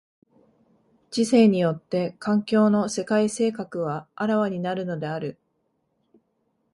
知性によって環境の世界性格は顕わになるのである。